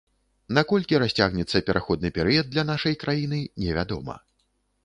На колькі расцягнецца пераходны перыяд для нашай краіны, невядома.